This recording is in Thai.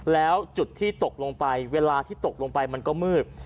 แล้วจุดที่ตกลงไปเวลาที่ตกลงไปมันก็มืด